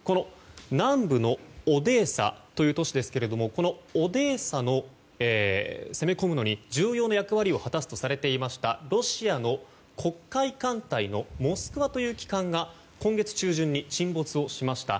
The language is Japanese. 南部のオデーサという都市ですけどもこのオデーサに攻め込むのに重要な役割と果たすとされていたロシアの黒海艦隊の「モスクワ」という旗艦が今月中旬に沈没しました。